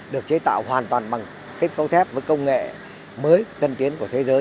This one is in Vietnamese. được chế tạo hoàn toàn bằng kết cấu thép với công nghệ mới tân tiến